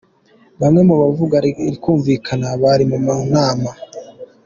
Bamwe mu bavuga rikumvikana, bari mu nama.